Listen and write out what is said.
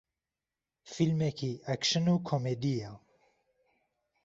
فیلمێکی ئەکشن و کۆمێدییە